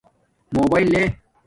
موباݵل لے